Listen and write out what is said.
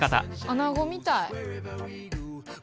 アナゴみたい。